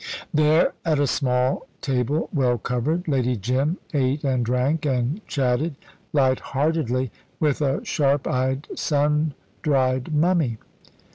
There, at a small table well covered, Lady Jim ate and drank and chatted, light heartedly, with a sharp eyed, sun dried mummy.